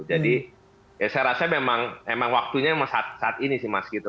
jadi saya rasa memang waktunya saat ini sih mas gitu